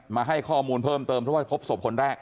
มาให้ข้อมูลเพิ่มเติมเพราะว่าพบศพคนแรก